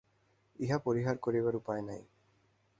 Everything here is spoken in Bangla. ইহা পরিহার করিবার উপায় নাই।